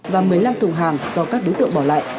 và một mươi năm thùng hàng do các đối tượng bỏ lại